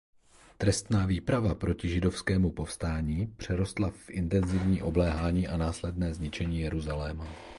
Trestná výprava proti židovskému povstání přerostla v intenzivní obléhání a následné zničení Jeruzaléma.